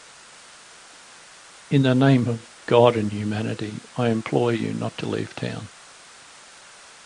In the name of God and humanity, I implore you not to leave town.